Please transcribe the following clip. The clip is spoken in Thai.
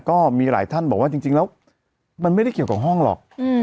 ก็มีหลายท่านบอกว่าจริงแล้วมันไม่ได้เกี่ยวกับห้องหรอก